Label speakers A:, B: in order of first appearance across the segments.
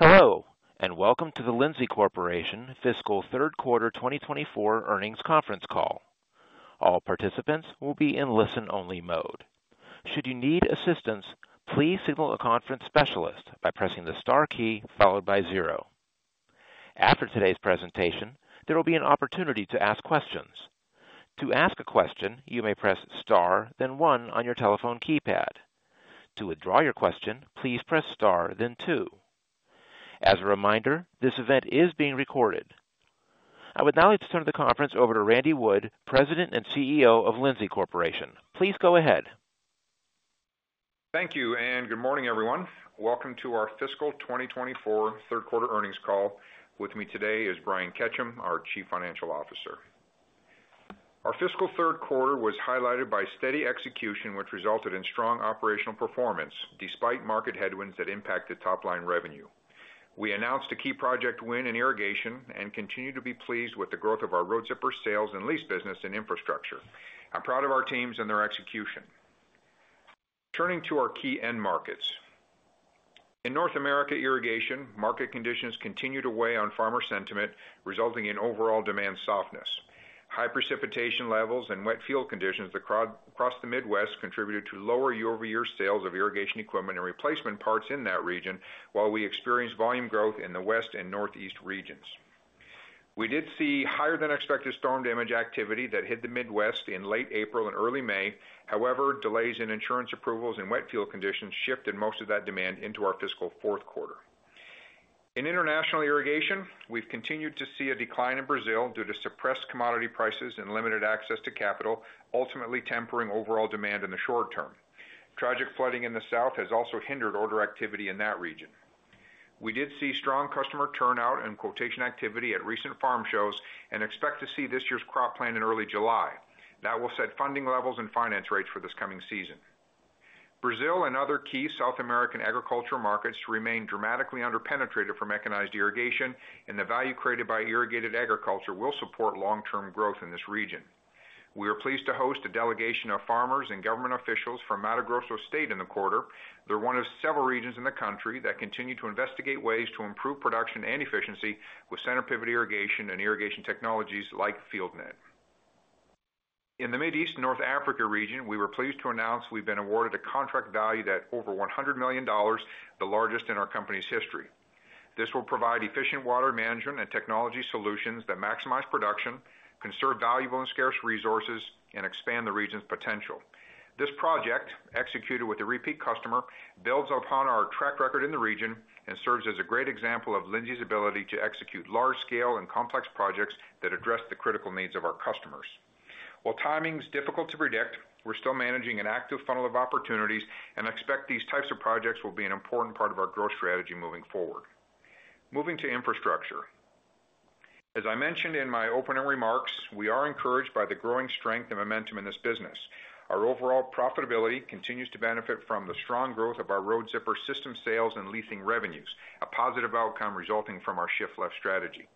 A: Hello, and welcome to the Lindsay Corporation Fiscal Q3 2024 Earnings Conference Call. All participants will be in listen-only mode. Should you need assistance, please signal a conference specialist by pressing the star key followed by zero. After today's presentation, there will be an opportunity to ask questions. To ask a question, you may press star, then one on your telephone keypad. To withdraw your question, please press star, then two. As a reminder, this event is being recorded. I would now like to turn the conference over to Randy Wood, President and CEO of Lindsay Corporation. Please go ahead.
B: Thank you, and good morning, everyone. Welcome to our Fiscal 2024 Q3 Earnings Call. With me today is Brian Ketcham, our Chief Financial Officer. Our fiscal Q3 was highlighted by steady execution, which resulted in strong operational performance despite market headwinds that impacted top-line revenue. We announced a key project win in irrigation and continue to be pleased with the growth of our Road Zipper sales and lease business in infrastructure. I'm proud of our teams and their execution. Turning to our key end markets, in North America, irrigation market conditions continued to weigh on farmer sentiment, resulting in overall demand softness. High precipitation levels and wet field conditions across the Midwest contributed to lower year-over-year sales of irrigation equipment and replacement parts in that region, while we experienced volume growth in the West and Northeast regions. We did see higher-than-expected storm damage activity that hit the Midwest in late April and early May. However, delays in insurance approvals and wet field conditions shifted most of that demand into our fiscal fourth quarter. In international irrigation, we've continued to see a decline in Brazil due to suppressed commodity prices and limited access to capital, ultimately tempering overall demand in the short term. Tragic flooding in the South has also hindered order activity in that region. We did see strong customer turnout and quotation activity at recent farm shows and expect to see this year's crop plan in early July. That will set funding levels and finance rates for this coming season. Brazil and other key South American agricultural markets remain dramatically underpenetrated for mechanized irrigation, and the value created by irrigated agriculture will support long-term growth in this region. We are pleased to host a delegation of farmers and government officials from Mato Grosso State in the quarter. They're one of several regions in the country that continue to investigate ways to improve production and efficiency with center-pivot irrigation and irrigation technologies like FieldNET. In the Mideast and North Africa region, we were pleased to announce we've been awarded a contract value that's over $100 million, the largest in our company's history. This will provide efficient water management and technology solutions that maximize production, conserve valuable and scarce resources, and expand the region's potential. This project, executed with a repeat customer, builds upon our track record in the region and serves as a great example of Lindsay's ability to execute large-scale and complex projects that address the critical needs of our customers. While timing's difficult to predict, we're still managing an active funnel of opportunities and expect these types of projects will be an important part of our growth strategy moving forward. Moving to infrastructure, as I mentioned in my opening remarks, we are encouraged by the growing strength and momentum in this business. Our overall profitability continues to benefit from the strong growth of our Road Zipper System sales and leasing revenues, a positive outcome resulting from our shift-left strategy.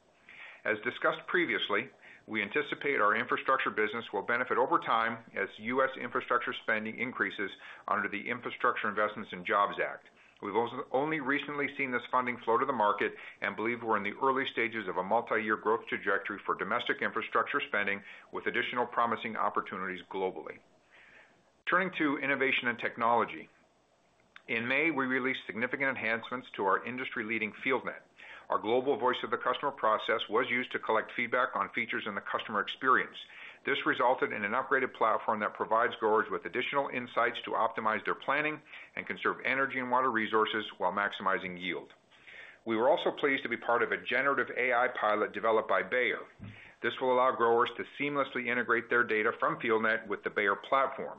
B: As discussed previously, we anticipate our infrastructure business will benefit over time as U.S. infrastructure spending increases under the Infrastructure Investment and Jobs Act. We've only recently seen this funding flow to the market and believe we're in the early stages of a multi-year growth trajectory for domestic infrastructure spending, with additional promising opportunities globally. Turning to innovation and technology, in May, we released significant enhancements to our industry-leading FieldNet. Our global voice of the customer process was used to collect feedback on features in the customer experience. This resulted in an upgraded platform that provides growers with additional insights to optimize their planning and conserve energy and water resources while maximizing yield. We were also pleased to be part of a generative AI pilot developed by Bayer. This will allow growers to seamlessly integrate their data from FieldNET with the Bayer platform.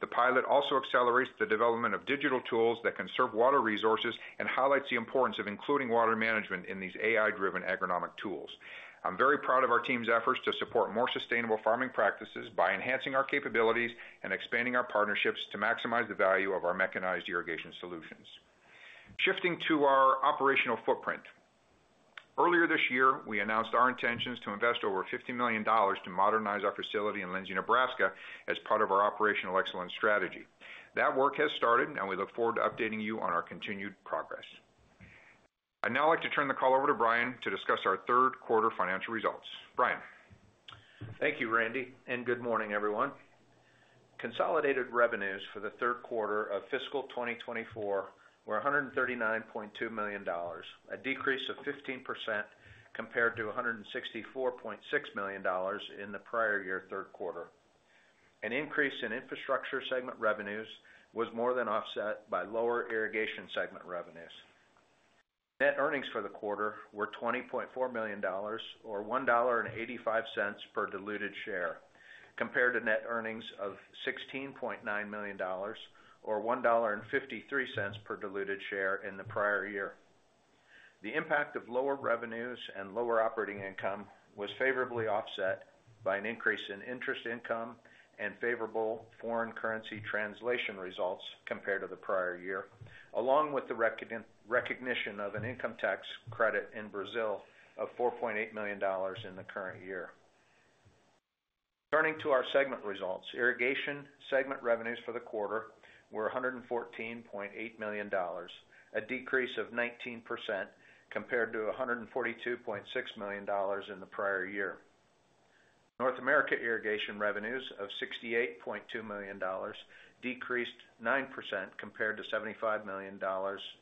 B: The pilot also accelerates the development of digital tools that conserve water resources and highlights the importance of including water management in these AI-driven agronomic tools. I'm very proud of our team's efforts to support more sustainable farming practices by enhancing our capabilities and expanding our partnerships to maximize the value of our mechanized irrigation solutions. Shifting to our operational footprint, earlier this year, we announced our intentions to invest over $50 million to modernize our facility in Lindsay, Nebraska, as part of our operational excellence strategy. That work has started, and we look forward to updating you on our continued progress. I'd now like to turn the call over to Brian to discuss our Q3 financial results. Brian.
C: Thank you, Randy, and good morning, everyone. Consolidated revenues for the Q3 of fiscal 2024 were $139.2 million, a decrease of 15% compared to $164.6 million in the prior year Q3. An increase in infrastructure segment revenues was more than offset by lower irrigation segment revenues. Net earnings for the quarter were $20.4 million, or 1.85 per diluted share, compared to net earnings of $16.9 million, or 1.53 per diluted share in the prior year. The impact of lower revenues and lower operating income was favorably offset by an increase in interest income and favorable foreign currency translation results compared to the prior year, along with the recognition of an income tax credit in Brazil of $4.8 million in the current year. Turning to our segment results, irrigation segment revenues for the quarter were $114.8 million, a decrease of 19% compared to $142.6 million in the prior year. North America irrigation revenues of $68.2 decreased 9% compared to 75 million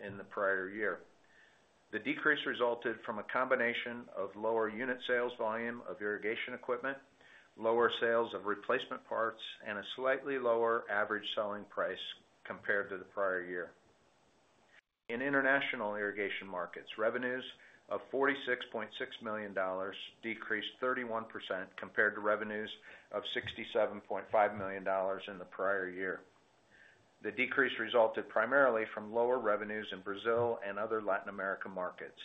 C: in the prior year. The decrease resulted from a combination of lower unit sales volume of irrigation equipment, lower sales of replacement parts, and a slightly lower average selling price compared to the prior year. In international irrigation markets, revenues of $46.6 million decreased 31% compared to revenues of $67.5 million in the prior year. The decrease resulted primarily from lower revenues in Brazil and other Latin American markets,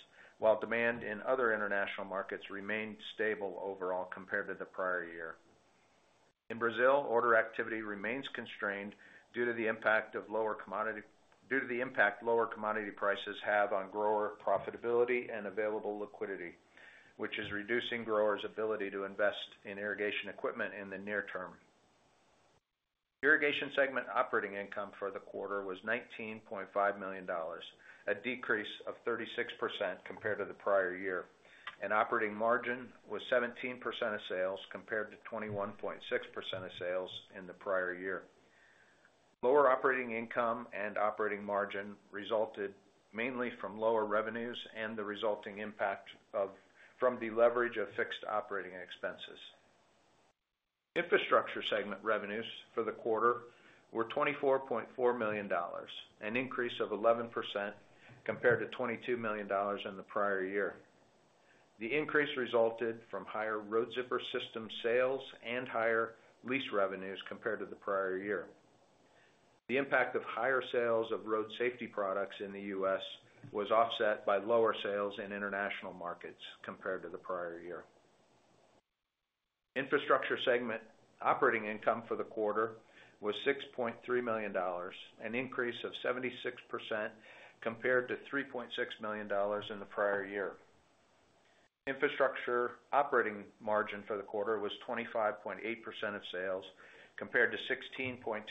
C: while demand in other international markets remained stable overall compared to the prior year. In Brazil, order activity remains constrained due to the impact of lower commodity prices have on grower profitability and available liquidity, which is reducing growers' ability to invest in irrigation equipment in the near term. Irrigation segment operating income for the quarter was $19.5 million, a decrease of 36% compared to the prior year. An operating margin was 17% of sales compared to 21.6% of sales in the prior year. Lower operating income and operating margin resulted mainly from lower revenues and the resulting impact from the leverage of fixed operating expenses. Infrastructure segment revenues for the quarter were $24.4 million, an increase of 11% compared to $22 million in the prior year. The increase resulted from higher Road Zipper System sales and higher lease revenues compared to the prior year. The impact of higher sales of road safety products in the U.S. was offset by lower sales in international markets compared to the prior year. Infrastructure segment operating income for the quarter was $6.3 million, an increase of 76% compared to $3.6 million in the prior year. Infrastructure operating margin for the quarter was 25.8% of sales compared to 16.2%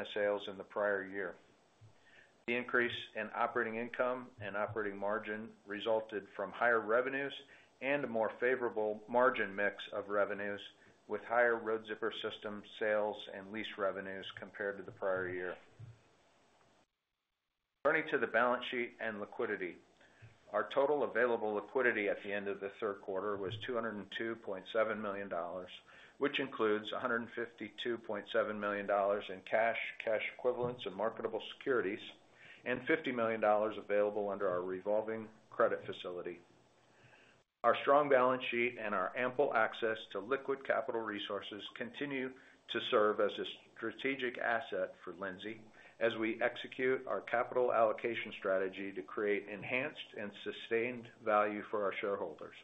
C: of sales in the prior year. The increase in operating income and operating margin resulted from higher revenues and a more favorable margin mix of revenues, with higher Road Zipper System sales and lease revenues compared to the prior year. Turning to the balance sheet and liquidity, our total available liquidity at the end of the Q3 was $202.7 million, which includes $152.7 million in cash, cash equivalents, and marketable securities, and $50 million available under our revolving credit facility. Our strong balance sheet and our ample access to liquid capital resources continue to serve as a strategic asset for Lindsay as we execute our capital allocation strategy to create enhanced and sustained value for our shareholders.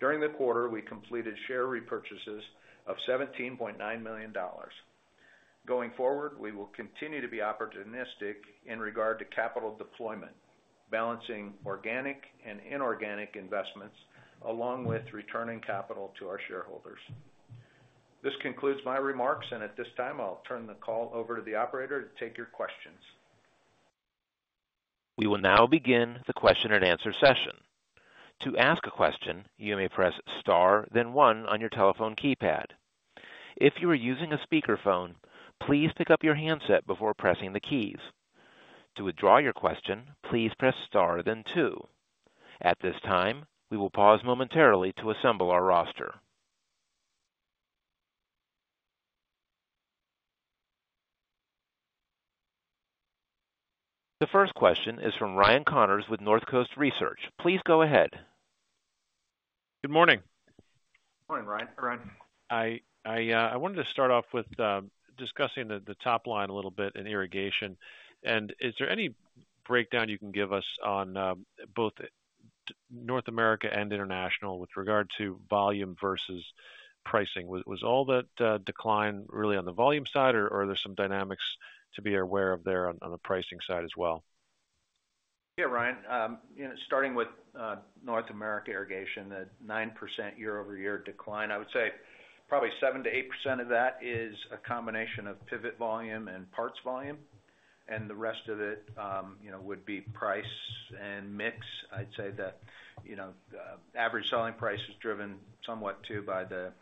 C: During the quarter, we completed share repurchases of $17.9 million. Going forward, we will continue to be opportunistic in regard to capital deployment, balancing organic and inorganic investments, along with returning capital to our shareholders. This concludes my remarks, and at this time, I'll turn the call over to the operator to take your questions.
A: We will now begin the question-and-answer session. To ask a question, you may press star, then one on your telephone keypad. If you are using a speakerphone, please pick up your handset before pressing the keys. To withdraw your question, please press star, then two. At this time, we will pause momentarily to assemble our roster. The first question is from Ryan Connors with Northcoast Research. Please go ahead.
D: Good morning.
C: Morning, Ryan.
D: I wanted to start off with discussing the top line a little bit in irrigation. Is there any breakdown you can give us on both North America and international with regard to volume versus pricing? Was all that decline really on the volume side, or are there some dynamics to be aware of there on the pricing side as well?
C: Yeah, Ryan. Starting with North America irrigation, the 9% year-over-year decline, I would say probably 7%-8% of that is a combination of pivot volume and parts volume. And the rest of it would be price and mix. I'd say that average selling price is driven somewhat too by the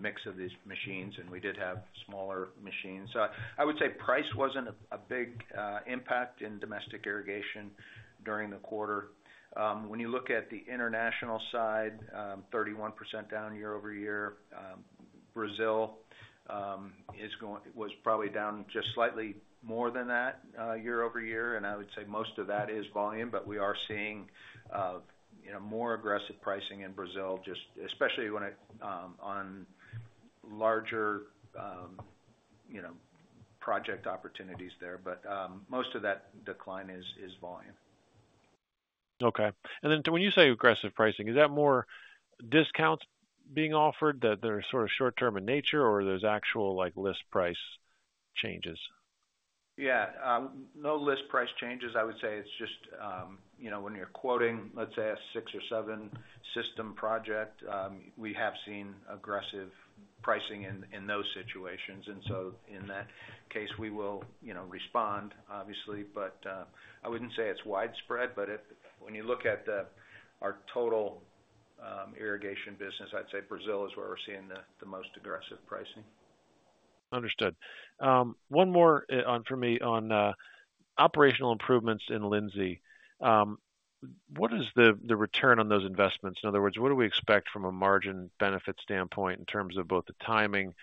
C: mix of these machines, and we did have smaller machines. So I would say price wasn't a big impact in domestic irrigation during the quarter. When you look at the international side, 31% down year-over-year. Brazil was probably down just slightly more than that year-over-year. And I would say most of that is volume, but we are seeing more aggressive pricing in Brazil, especially on larger project opportunities there. But most of that decline is volume.
D: Okay. And then when you say aggressive pricing, is that more discounts being offered that are sort of short-term in nature, or are those actual list price changes?
C: Yeah. No list price changes. I would say it's just when you're quoting, let's say, a six or seven system project, we have seen aggressive pricing in those situations. And so in that case, we will respond, obviously. But I wouldn't say it's widespread. But when you look at our total irrigation business, I'd say Brazil is where we're seeing the most aggressive pricing.
D: Understood. One more from me on operational improvements in Lindsay. What is the return on those investments? In other words, what do we expect from a margin benefit standpoint in terms of both the timing?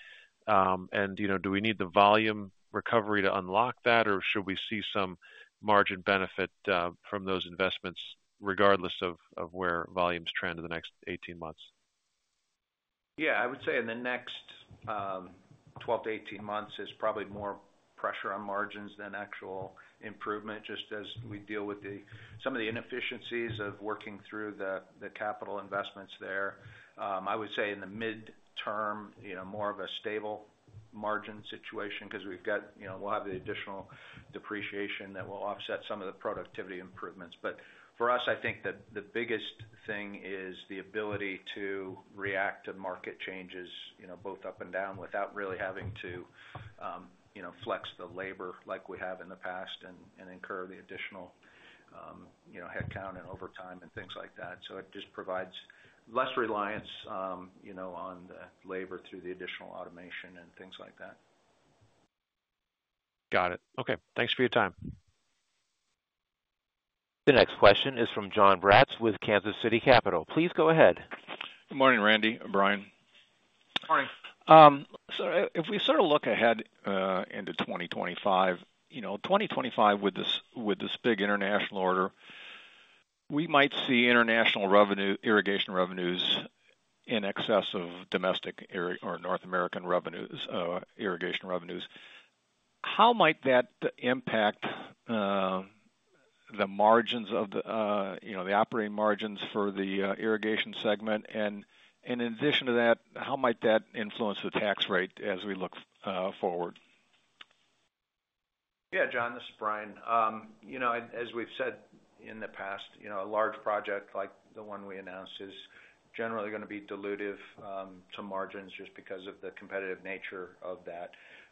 D: Do we need the volume recovery to unlock that, or should we see some margin benefit from those investments regardless of where volumes trend in the next 18 months?
C: Yeah. I would say in the next 12-18 months is probably more pressure on margins than actual improvement, just as we deal with some of the inefficiencies of working through the capital investments there. I would say in the midterm, more of a stable margin situation because we'll have the additional depreciation that will offset some of the productivity improvements. But for us, I think that the biggest thing is the ability to react to market changes both up and down without really having to flex the labor like we have in the past and incur the additional headcount and overtime and things like that. So it just provides less reliance on the labor through the additional automation and things like that.
D: Got it. Okay. Thanks for your time.
A: The next question is from John Braatz with Kansas City Capital. Please go ahead.
E: Good morning, Randy or Brian.
C: Morning.
E: So if we sort of look ahead into 2025 with this big international order, we might see international irrigation revenues in excess of domestic or North American irrigation revenues. How might that impact the margins of the operating margins for the irrigation segment? In addition to that, how might that influence the tax rate as we look forward?
C: Yeah, Jon, this is Brian. As we've said in the past, a large project like the one we announced is generally going to be dilutive to margins just because of the competitive nature of that.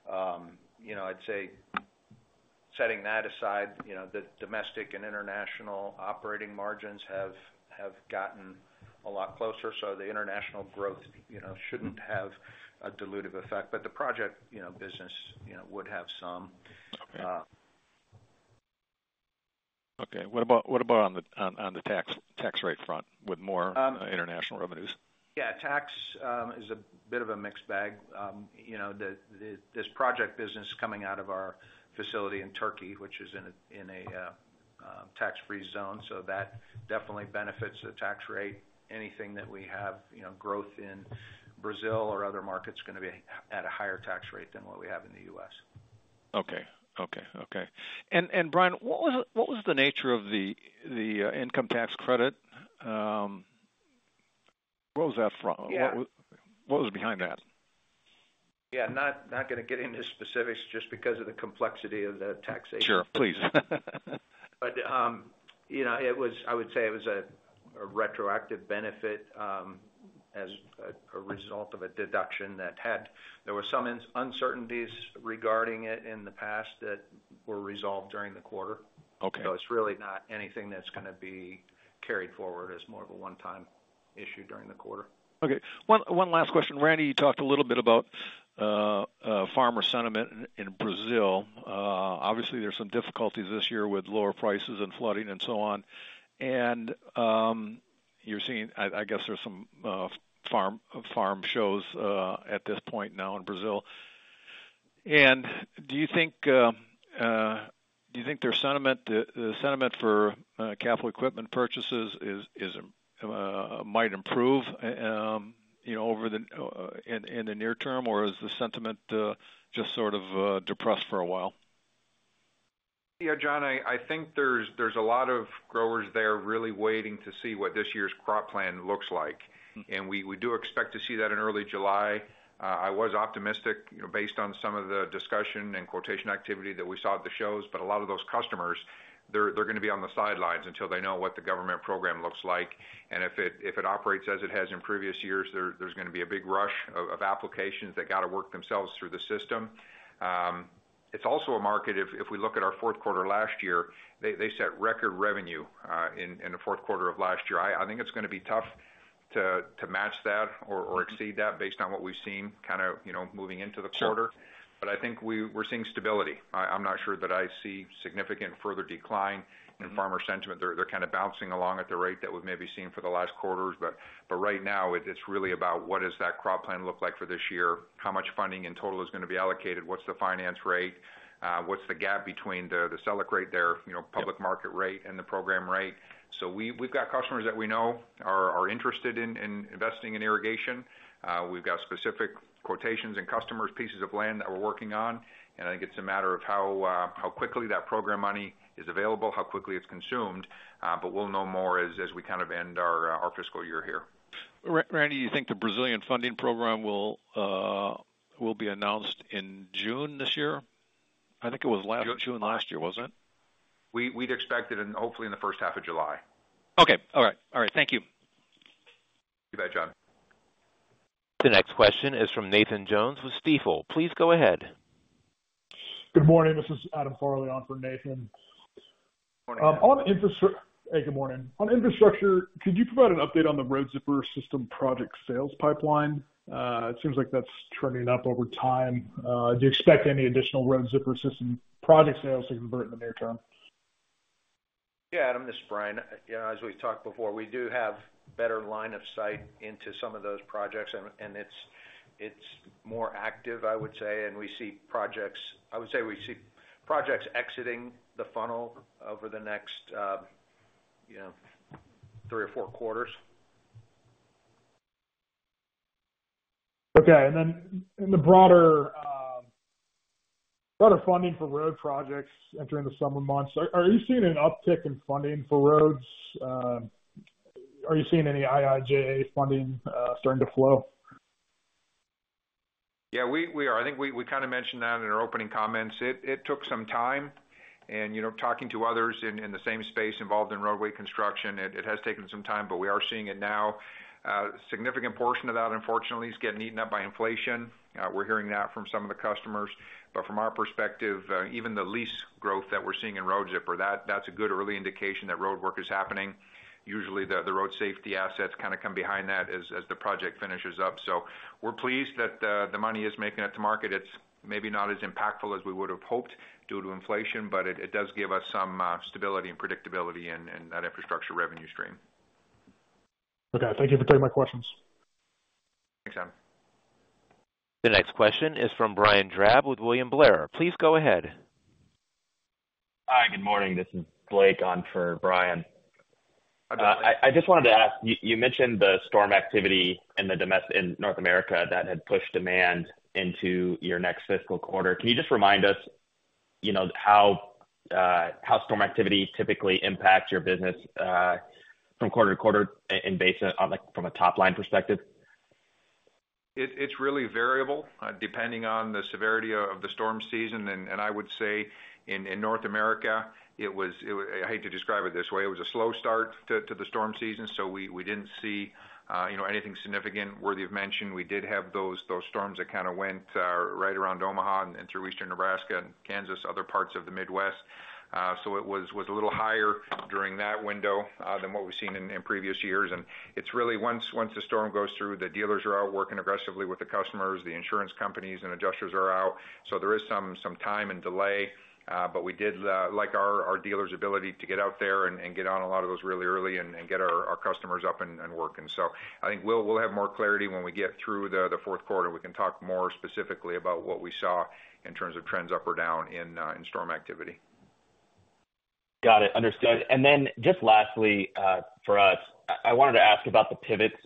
C: I'd say setting that aside, the domestic and international operating margins have gotten a lot closer. So the international growth shouldn't have a dilutive effect, but the project business would have some.
E: Okay. What about on the tax rate front with more international revenues?
C: Yeah. Tax is a bit of a mixed bag. This project business coming out of our facility in Turkey, which is in a tax-free zone, so that definitely benefits the tax rate. Anything that we have growth in Brazil or other markets is going to be at a higher tax rate than what we have in the U.S.
E: Okay. Okay. Okay. And Brian, what was the nature of the income tax credit? What was that from? What was behind that?
C: Yeah. Not going to get into specifics just because of the complexity of the taxation.
E: Sure, please.
C: But I would say it was a retroactive benefit as a result of a deduction that there were some uncertainties regarding it in the past that were resolved during the quarter. So it's really not anything that's going to be carried forward. It's more of a one-time issue during the quarter.
E: Okay. One last question. Randy, you talked a little bit about farmer sentiment in Brazil. Obviously, there's some difficulties this year with lower prices and flooding and so on. I guess there's some farm shows at this point now in Brazil. Do you think the sentiment for capital equipment purchases might improve in the near term, or is the sentiment just sort of depressed for a while?
B: Yeah, John, I think there's a lot of growers there really waiting to see what this year's crop plan looks like. We do expect to see that in early July. I was optimistic based on some of the discussion and quotation activity that we saw at the shows, but a lot of those customers, they're going to be on the sidelines until they know what the government program looks like. If it operates as it has in previous years, there's going to be a big rush of applications that got to work themselves through the system. It's also a market. If we look at our fourth quarter last year, they set record revenue in the fourth quarter of last year. I think it's going to be tough to match that or exceed that based on what we've seen kind of moving into the quarter.
C: But I think we're seeing stability. I'm not sure that I see significant further decline in farmer sentiment. They're kind of bouncing along at the rate that we've maybe seen for the last quarters. But right now, it's really about what does that crop plan look like for this year, how much funding in total is going to be allocated, what's the finance rate, what's the gap between the sell-out rate there, public market rate, and the program rate. So we've got customers that we know are interested in investing in irrigation. We've got specific quotations and customers, pieces of land that we're working on. And I think it's a matter of how quickly that program money is available, how quickly it's consumed. But we'll know more as we kind of end our fiscal year here.
E: Randy, you think the Brazilian funding program will be announced in June this year? I think it was last June last year, wasn't it?
B: We'd expect it, and hopefully in the first half of July.
E: Okay. All right. All right. Thank you.
C: You bet, John.
A: The next question is from Nathan Jones with Stifel. Please go ahead.
F: Good morning. This is Adam Farley on for Nathan.
C: Good morning.
F: Hey, good morning. On infrastructure, could you provide an update on the Road Zipper System project sales pipeline? It seems like that's trending up over time. Do you expect any additional Road Zipper System project sales to convert in the near term?
C: Yeah, Adam, this is Brian. As we've talked before, we do have better line of sight into some of those projects, and it's more active, I would say. And we see projects, I would say we see projects exiting the funnel over the next three or four quarters.
F: Okay. And then in the broader funding for road projects entering the summer months, are you seeing an uptick in funding for roads? Are you seeing any IIJA funding starting to flow?
C: Yeah, we are. I think we kind of mentioned that in our opening comments. It took some time. And talking to others in the same space involved in roadway construction, it has taken some time, but we are seeing it now. A significant portion of that, unfortunately, is getting eaten up by inflation. We're hearing that from some of the customers. But from our perspective, even the lease growth that we're seeing in Road Zipper, that's a good early indication that roadwork is happening. Usually, the road safety assets kind of come behind that as the project finishes up. So we're pleased that the money is making it to market. It's maybe not as impactful as we would have hoped due to inflation, but it does give us some stability and predictability in that infrastructure revenue stream.
F: Okay. Thank you for taking my questions.
C: Thanks, Adam.
A: The next question is from Brian Drab with William Blair. Please go ahead.
G: Hi, good morning. This is Blake on for Brian. I just wanted to ask, you mentioned the storm activity in North America that had pushed demand into your next fiscal quarter. Can you just remind us how storm activity typically impacts your business from quarter to quarter from a top-line perspective?
C: It's really variable depending on the severity of the storm season. I would say in North America, I hate to describe it this way, it was a slow start to the storm season, so we didn't see anything significant worthy of mention. We did have those storms that kind of went right around Omaha and through Eastern Nebraska and Kansas, other parts of the Midwest. It was a little higher during that window than what we've seen in previous years. It's really once the storm goes through, the dealers are out working aggressively with the customers. The insurance companies and adjusters are out. There is some time and delay. We did like our dealer's ability to get out there and get on a lot of those really early and get our customers up and working. I think we'll have more clarity when we get through the fourth quarter. We can talk more specifically about what we saw in terms of trends up or down in storm activity.
G: Got it. Understood. And then just lastly for us, I wanted to ask about the pivots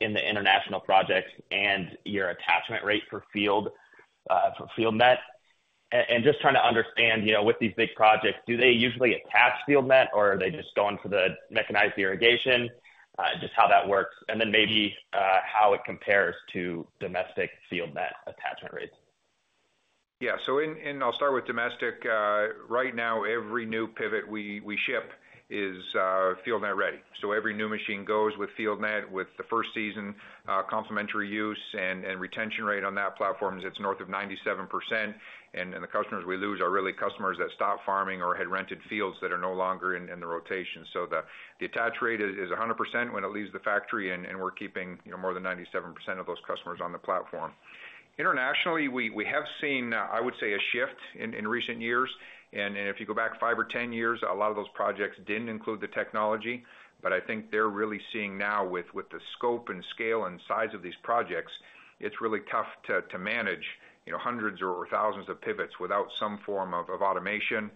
G: in the international projects and your attachment rate for FieldNET. And just trying to understand with these big projects, do they usually attach FieldNET, or are they just going for the mechanized irrigation? Just how that works. And then maybe how it compares to domestic FieldNET attachment rates.
C: Yeah. So I'll start with domestic. Right now, every new pivot we ship is FieldNET ready. So every new machine goes with FieldNET with the first season complementary use and retention rate on that platform is north of 97%. And the customers we lose are really customers that stopped farming or had rented fields that are no longer in the rotation. So the attach rate is 100% when it leaves the factory, and we're keeping more than 97% of those customers on the platform. Internationally, we have seen, I would say, a shift in recent years. And if you go back five or 10 years, a lot of those projects didn't include the technology. But I think they're really seeing now with the scope and scale and size of these projects, it's really tough to manage hundreds or thousands of pivots without some form of automation.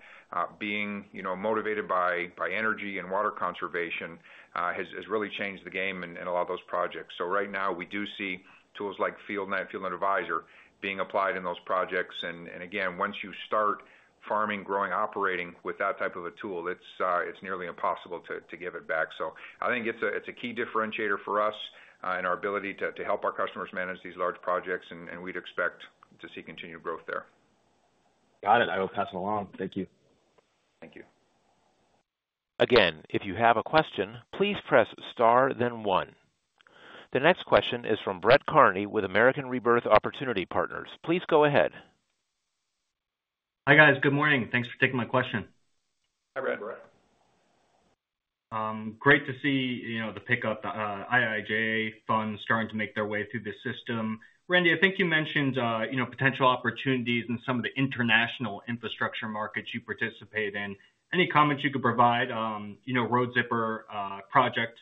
C: Being motivated by energy and water conservation has really changed the game in a lot of those projects. So right now, we do see tools like FieldNET and FieldNET Advisor being applied in those projects. And again, once you start farming, growing, operating with that type of a tool, it's nearly impossible to give it back. So I think it's a key differentiator for us and our ability to help our customers manage these large projects. And we'd expect to see continued growth there.
G: Got it. I will pass it along. Thank you.
C: Thank you.
A: Again, if you have a question, please press star, then one. The next question is from Brett Kearney with Gabelli Funds. Please go ahead.
H: Hi guys. Good morning. Thanks for taking my question.
C: Hi, Brad.
H: Great to see the pickup. IIJA funds starting to make their way through the system. Randy, I think you mentioned potential opportunities in some of the international infrastructure markets you participate in. Any comments you could provide? Road Zipper project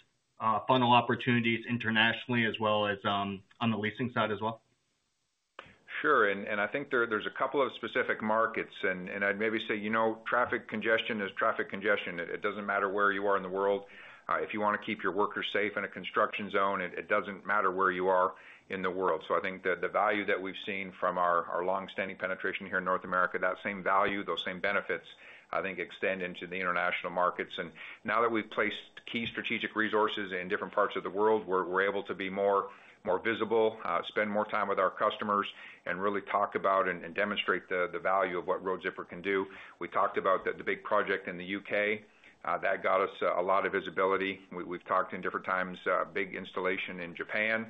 H: funnel opportunities internationally as well as on the leasing side as well?
B: Sure. And I think there's a couple of specific markets. And I'd maybe say traffic congestion is traffic congestion. It doesn't matter where you are in the world. If you want to keep your workers safe in a construction zone, it doesn't matter where you are in the world. So I think the value that we've seen from our long-standing penetration here in North America, that same value, those same benefits, I think extend into the international markets. And now that we've placed key strategic resources in different parts of the world, we're able to be more visible, spend more time with our customers, and really talk about and demonstrate the value of what Road Zipper can do. We talked about the big project in the U.K. That got us a lot of visibility.
C: We've talked in different times, big installation in Japan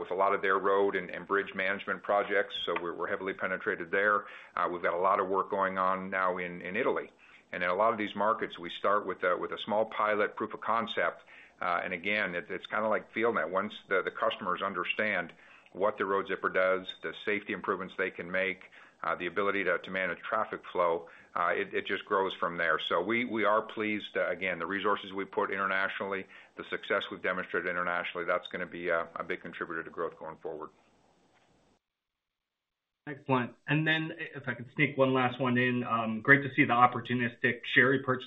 C: with a lot of their road and bridge management projects. So we're heavily penetrated there. We've got a lot of work going on now in Italy. And in a lot of these markets, we start with a small pilot proof of concept. And again, it's kind of like FieldNET. Once the customers understand what the Road Zipper does, the safety improvements they can make, the ability to manage traffic flow, it just grows from there. So we are pleased. Again, the resources we put internationally, the success we've demonstrated internationally, that's going to be a big contributor to growth going forward.
H: Excellent. And then if I can sneak one last one in, great to see the opportunistic share repurchases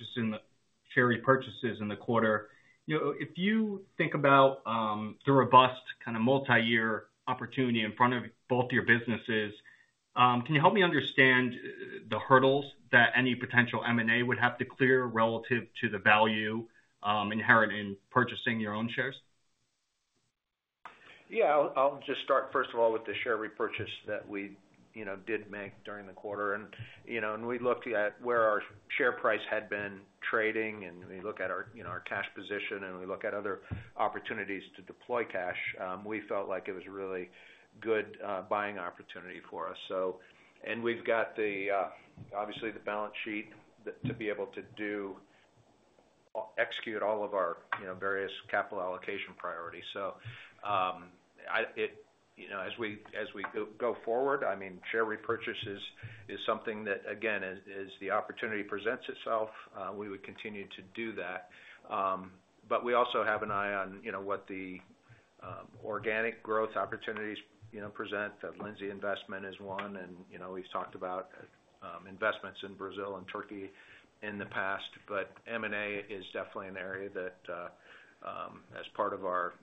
H: in the quarter. If you think about the robust kind of multi-year opportunity in front of both your businesses, can you help me understand the hurdles that any potential M&A would have to clear relative to the value inherent in purchasing your own shares?
C: Yeah. I'll just start first of all with the share repurchase that we did make during the quarter. We looked at where our share price had been trading, and we look at our cash position, and we look at other opportunities to deploy cash. We felt like it was a really good buying opportunity for us. We've got obviously the balance sheet to be able to execute all of our various capital allocation priorities. So as we go forward, I mean, share repurchase is something that, again, as the opportunity presents itself, we would continue to do that. But we also have an eye on what the organic growth opportunities present. Lindsay investment is one. We've talked about investments in Brazil and Turkey in the past. M&A is definitely an area that, as part of our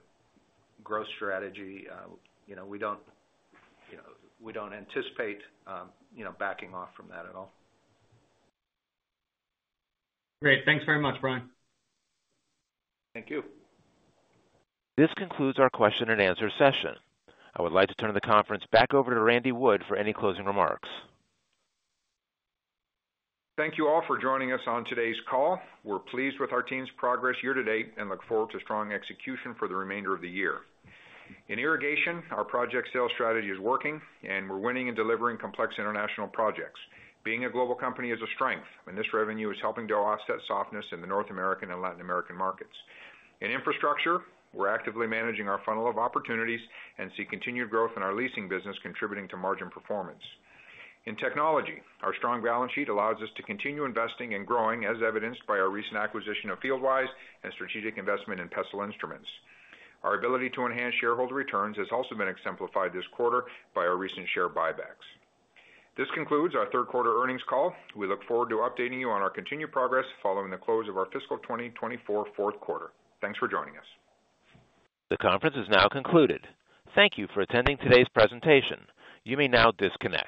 C: growth strategy, we don't anticipate backing off from that at all.
H: Great. Thanks very much, Brian.
C: Thank you.
A: This concludes our question and answer session. I would like to turn the conference back over to Randy Wood for any closing remarks.
B: Thank you all for joining us on today's call. We're pleased with our team's progress year to date and look forward to strong execution for the remainder of the year. In irrigation, our project sales strategy is working, and we're winning and delivering complex international projects. Being a global company is a strength, and this revenue is helping to offset softness in the North American and Latin American markets. In infrastructure, we're actively managing our funnel of opportunities and see continued growth in our leasing business contributing to margin performance. In technology, our strong balance sheet allows us to continue investing and growing, as evidenced by our recent acquisition of FieldWise and strategic investment in Pessl Instruments. Our ability to enhance shareholder returns has also been exemplified this quarter by our recent share buybacks. This concludes our Q3 earnings call. We look forward to updating you on our continued progress following the close of our fiscal 2024 fourth quarter. Thanks for joining us.
A: The conference is now concluded. Thank you for attending today's presentation. You may now disconnect.